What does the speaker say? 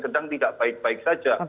sedang tidak baik baik saja